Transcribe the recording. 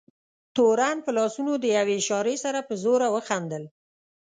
تورن په لاسونو د یوې اشارې سره په زوره وخندل.